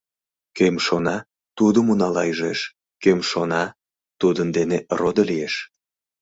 Кӧм шона, тудым унала ӱжеш, кӧм шона, тудын дене родо лиеш.